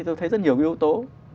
tôi thấy rất nhiều cái yếu tố